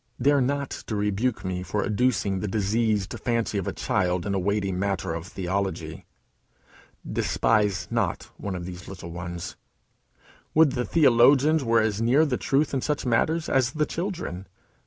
Dare not to rebuke me for adducing the diseased fancy of a child in a weighty matter of theology. "Despise not one of these little ones." Would the theologians were as near the truth in such matters as the children.